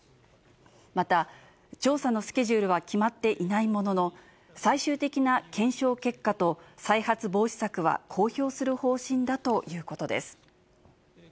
また調査のスケジュールは決まっていないものの、最終的な検証結果と再発防止策は公表する方針だということです。